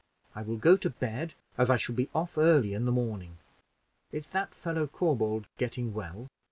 I will go to bed, as I shall be off early in the morning. Is that fellow, Corbould, getting well?"